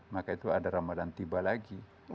maka itu ada ramadan tiba lagi